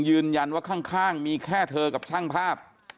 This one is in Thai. ยืนยันว่าข้างมีแค่เธอกับช่างภาพ